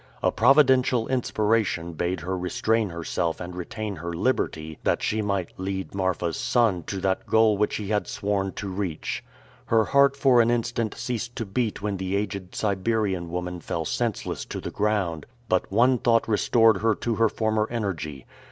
A providential inspiration bade her restrain herself and retain her liberty that she might lead Marfa's son to that goal which he had sworn to reach. Her heart for an instant ceased to beat when the aged Siberian woman fell senseless to the ground, but one thought restored her to her former energy.